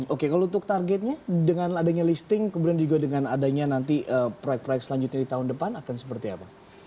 oke kalau untuk targetnya dengan adanya listing kemudian juga dengan adanya nanti proyek proyek selanjutnya di tahun depan akan seperti apa